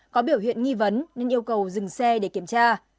có biểu hiện nghi vấn nên yêu cầu dừng xe để kiểm tra